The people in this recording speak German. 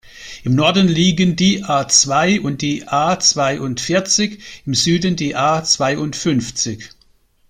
Im Norden liegen die A-zwei und die A-zweiundvierzig, im Süden die A-zweiundfünfzig.